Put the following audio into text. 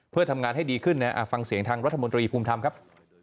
เพื่อทำงานให้ดีขึ้นนะฟังเสียงทางรัฐมนตรีภูมิธรรมครับ